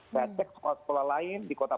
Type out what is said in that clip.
nah cek sekolah sekolah lain di kota